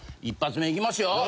一発目いきますよ。